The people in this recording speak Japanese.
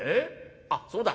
あっそうだ。